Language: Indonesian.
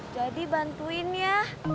jadi bantuin ya